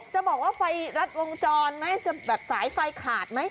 จะบอกว่าไฟรัดวงจรไหมจะแบบสายไฟขาดไหม